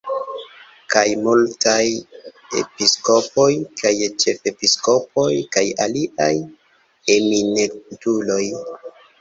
Kaj multaj episkopoj kaj ĉefepiskopoj kaj aliaj eminentuloj.